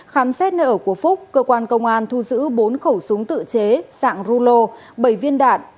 khám xét nơi ở của phúc cơ quan công an thu giữ bốn khẩu súng tự chế dạng rulo bảy viên đạn